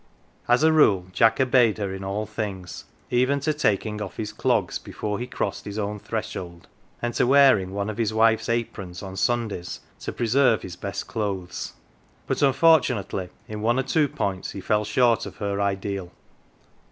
As a rule Jack obeyed her in all things, even to taking off his clogs before he crossed his own threshold and to wearing one of his wife's aprons on Sundays to preserve his best clothes. But unfortunately in one or two points he fell short of her ideal.